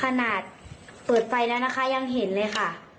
ขนาดเปิดไฟแล้วนะคะยังเห็นเลยค่ะ